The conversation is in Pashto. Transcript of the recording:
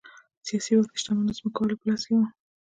سیاسي واک د شتمنو ځمکوالو په لاس کې و